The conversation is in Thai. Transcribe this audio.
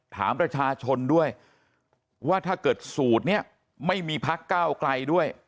ถามประชาชนด้วยว่าถ้าเกิดสูตรนี้ไม่มีพักก้าวไกลด้วย